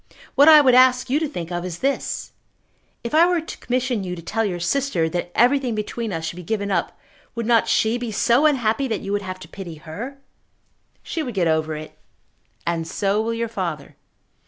What I would ask you to think of is this. If I were to commission you to tell your sister that everything between us should be given up, would not she be so unhappy that you would have to pity her?" "She would get over it." "And so will your father."